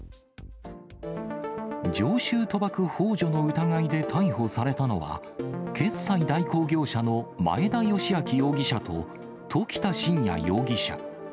常習賭博ほう助の疑いで逮捕されたのは、決済代行業者の前田由顕容疑者と、時田慎也容疑者。